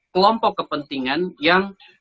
kelompok kepentingan yang